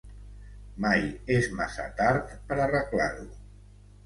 Mai és massa tard per arreglar-ho.